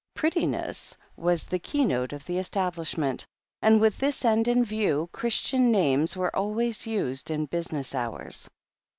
"Pretti ness" was the keynote of the establishment, and with this end in view, Christian names were always used in business hours.